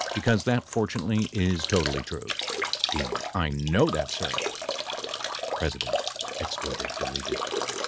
Because that, fortunately, is totally true. D. I know that sir ! P. [Expletive deleted.